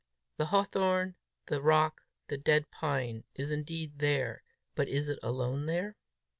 The hawthorn, the rock, the dead pine, is indeed there, but is it alone there?